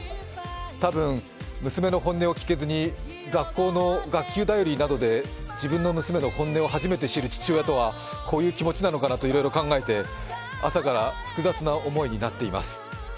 たぶん、娘の本音を聞けずに学校の学級便りなどで自分の娘の本音を知る父親とはこういう気持ちなのかなといろいろ考えて、朝から複雑な思いになっています。